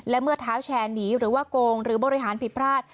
และเมื่อเท้าแชร์หนีหรือว่าโกงหรือบริหารผิดพลาด